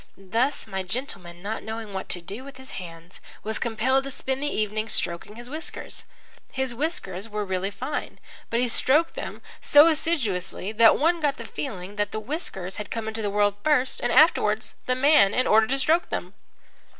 Thus, my gentleman, not knowing what to do with his hands, was compelled to spend the evening stroking his whiskers. His whiskers were really fine, but he stroked them so assiduously that one got the feeling that the whiskers had come into the world first and afterwards the man in order to stroke them.